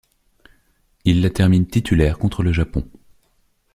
Il la termine titulaire contre le Japon.